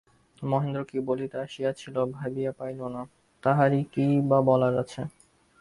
মহেন্দ্র কী বলিতে আসিয়াছিল, ভাবিয়া পাইল না, তাহার কীই বা বলিবার আছে।